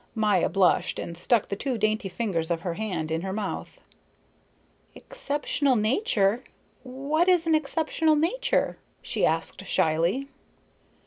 Maya blushed and stuck the two dainty fingers of her hand in her mouth. "Exceptional nature what is an exceptional nature?" she asked shyly.